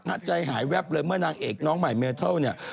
ใจหายแวบเลยเมื่อนางเอกน้องใหม่เมเทิลเนี่ย